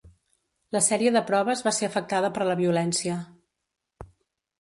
La sèrie de proves va ser afectada per la violència.